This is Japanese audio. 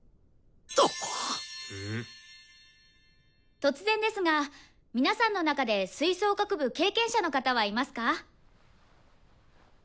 突然ですが皆さんの中で吹奏楽部経験者の方はいますか？